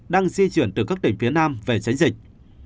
đang di chuyển từ các tỉnh phía nam về tránh dịch